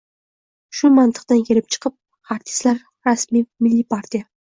Shu mantiqdan kelib chiqib, Xartistlar rasmiy mittipartiya